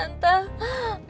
tante siapin tisu ya